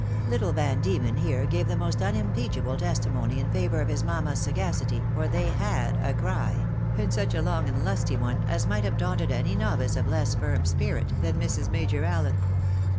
Little Van Diemen here gave the most unimpeachable testi mony in favour of his mamma's sagacity, for they Tiad a cry, and such a long and lusty one, as might have daunted any novice of less firm spirit than Mrs. Major Allen.